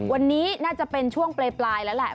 วันนี้น่าจะเป็นช่วงปลายแล้วแหละ